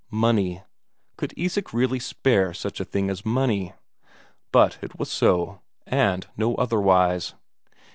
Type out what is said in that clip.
Money could Isak really spare such a thing as money? But it was so, and no otherwise.